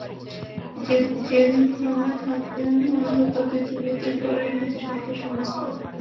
যেদিন ফর্মে থাকতেন, মনে হতো পৃথিবীতে ব্যাটিং করাই বুঝি সবচেয়ে সহজ কাজ।